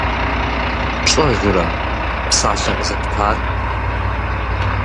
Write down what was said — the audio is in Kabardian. ПщӀэжрэ псалъэ къызэптар?